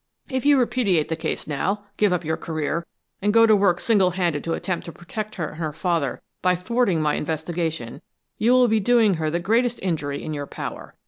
If you repudiate the case now, give up your career, and go to work single handed to attempt to protect her and her father by thwarting my investigation, you will be doing her the greatest injury in your power.